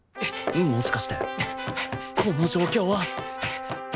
もしかしてこの状況は